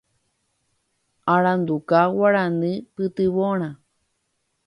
Aranduka Guarani Pytyvõrã.